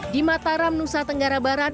di mataram nusa tenggara barat